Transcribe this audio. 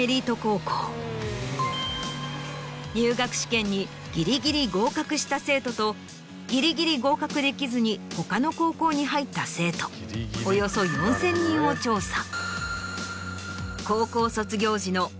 入学試験にギリギリ合格した生徒とギリギリ合格できずに他の高校に入った生徒およそ４０００人を調査。